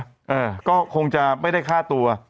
เออก็คงจะไม่ได้ฆ่าตัว